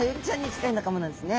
近い仲間なんですね。